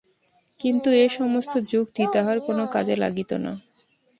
কিন্তু এ-সমস্ত যুক্তি তাহার কোনো কাজে লাগিত না।